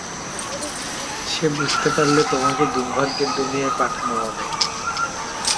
সে বুঝতে পারলে তোমাকে দুর্ভাগ্যের দুনিয়ায় পাঠানো হবে!